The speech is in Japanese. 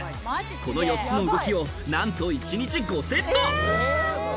この４つの動きを、なんと１日５セット。